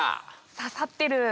刺さってる。